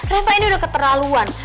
reva ini udah keterlaluan